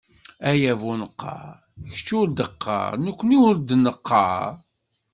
Ay abuneqqar: kečč ur d-qqar, nekkni ur d-neqqar!